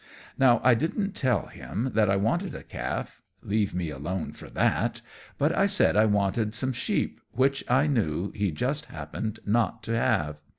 Now I didn't tell him that I wanted a calf leave me alone for that but I said I wanted some sheep, which I knew he just happened not to have.